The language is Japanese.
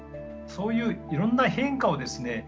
そういういろんな変化をですね